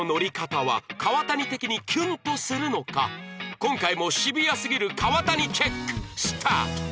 今回もシビアすぎる川谷チェックスタート